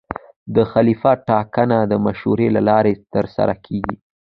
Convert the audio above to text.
د خلیفه ټاکنه د مشورې له لارې ترسره کېږي.